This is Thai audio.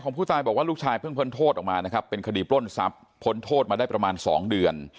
ผู้ตายบอกว่าลูกชายเพิ่งพ้นโทษออกมานะครับเป็นคดีปล้นทรัพย์พ้นโทษมาได้ประมาณ๒เดือน